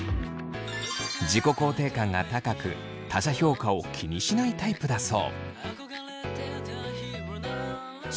自己肯定感が高く他者評価を気にしないタイプだそう。